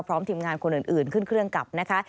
พร้อมทีมงานคนอื่นขึ้นเครื่องกลับนะคะ